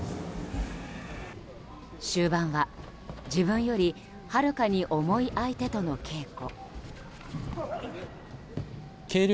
終盤は、自分よりはるかに重い相手との稽古。